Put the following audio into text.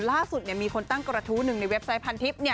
ล่าสุดเนี่ยมีคนตั้งกระทู้หนึ่งในเว็บไซต์พันทิศเนี่ย